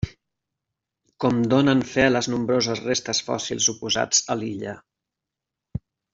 Com donen fe les nombroses restes fòssils oposats a l'illa.